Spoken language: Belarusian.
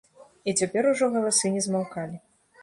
І цяпер ужо галасы не змаўкалі.